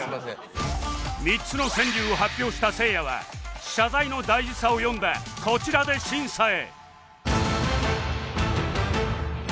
３つの川柳を発表したせいやは謝罪の大事さを詠んだこちらで審査へ